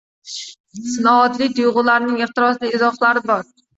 Sinoatli tuyg’ularining ehtirosli izhorlari bor.